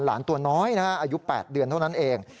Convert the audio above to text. ตัวน้อยนะฮะอายุ๘เดือนเท่านั้นเอง